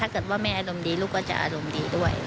ถ้าเกิดว่าไม่อารมณ์ดีลูกก็จะอารมณ์ดีด้วย